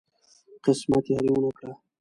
قسمت یاري ونه کړه.